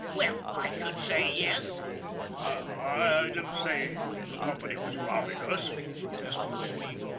Well, I should say yes !"" I I didn't say the company was robbing us," protested McQueen.